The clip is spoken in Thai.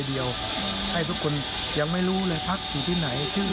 หยากให้คนนั้นคนนั้นเราตั้งทุกคตาม้วยแล้ว